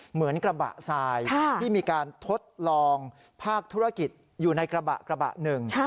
เหมือนกระบะทรายที่มีการทดลองภาคธุรกิจอยู่ในกระบะกระบะหนึ่ง